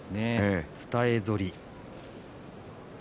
伝え反り。